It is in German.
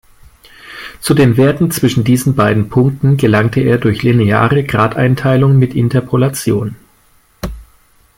Zu den Werten zwischen diesen beiden Punkten gelangte er durch lineare Gradeinteilung mit Interpolation.